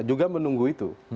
juga menunggu itu